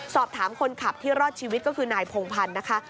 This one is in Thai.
สอบถามคนขับที่รอดชีวิตก็คือนายพงพันธ์นะคะ